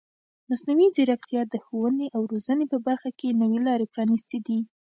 مصنوعي ځیرکتیا د ښوونې او روزنې په برخه کې نوې لارې پرانیستې دي.